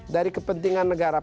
dari kepentingan negara